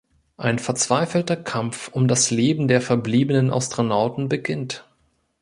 Ein verzweifelter Kampf um das Leben der verbliebenen Astronauten beginnt.